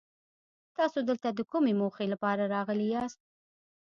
تاسو دلته د کومې موخې لپاره راغلي ياست؟